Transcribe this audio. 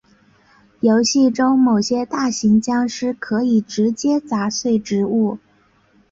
游戏中某些大型僵尸可以直接砸碎植物。